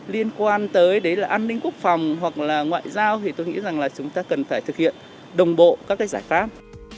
liên quan tới an ninh quốc phòng hoặc là ngoại giao thì tôi nghĩ rằng là chúng ta cần phải thực hiện đồng bộ các giải pháp